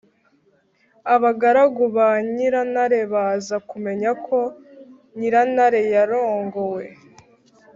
abagaragu ba nyirantare baza kumenya ko nyirantare yarongowe.